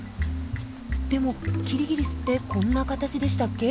でもキリギリスってこんな形でしたっけ？